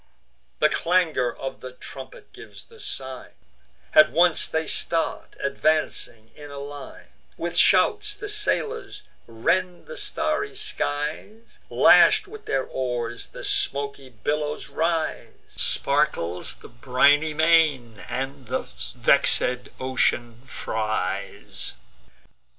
The clangour of the trumpet gives the sign; At once they start, advancing in a line: With shouts the sailors rend the starry skies; Lash'd with their oars, the smoky billows rise; Sparkles the briny main, and the vex'd ocean fries.